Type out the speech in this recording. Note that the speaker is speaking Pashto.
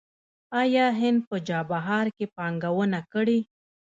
آیا هند په چابهار کې پانګونه کړې؟